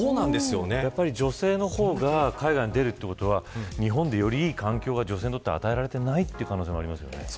やっぱり女性の方が海外に出るということは日本でよりいい環境が女性にとって与えられていないということですよね。